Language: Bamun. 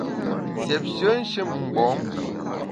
Siépshe nshin-mgbom !